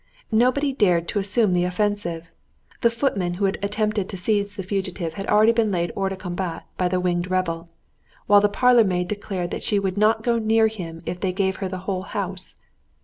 Nobody dared to assume the offensive. The footman who had attempted to seize the fugitive had already been laid hors de combat by the winged rebel, while the parlour maid declared that she would not go near him if they gave her the whole house.